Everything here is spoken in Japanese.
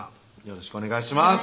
よろしくお願いします